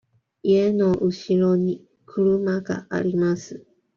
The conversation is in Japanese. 家のうしろに車があります。